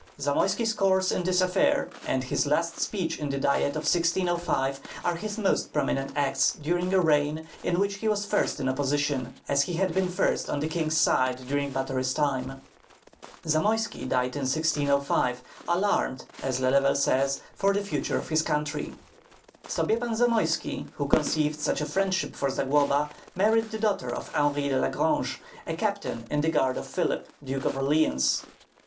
Zamoyski's course in this affair, and his last speech in the Diet of 1605 are his most prominent acts during a reign in which he was first in opposition, as he had been first on the king's side during Batory's time. Zamoyski died in 1605, alarmed, as Lelevel says, for the future of his country. Sobiepan Zamoyski, who conceived such a friendship for Zagloba, married the daughter of Henri de la Grange, a captain in the guard of Philip, Duke of Orleans.